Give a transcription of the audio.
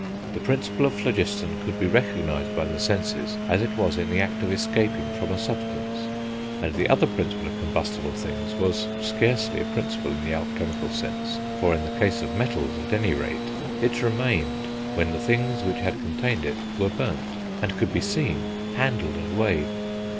The principle of phlogiston could be recognised by the senses as it was in the act of escaping from a substance; and the other principle of combustible things was scarcely a Principle in the alchemical sense, for, in the case of metals at any rate, it remained when the things which had contained it were burnt, and could be seen, handled, and weighed.